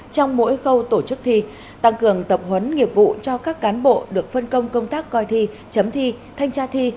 trong mỗi khâu tổ chức thi tăng cường tập huấn nghiệp vụ cho các cán bộ được phân công công tác coi thi chấm thi thanh tra thi